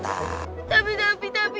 tapi tapi tapi